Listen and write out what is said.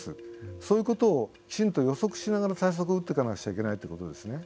そういうことをきちんと予測しながら対策を打っていかなくちゃいけないということですね。